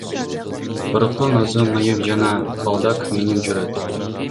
Фаруктун өзү майып жана балдак менен жүрөт.